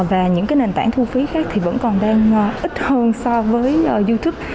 và những nền tảng thu phí khác thì vẫn còn đang ít hơn so với youtube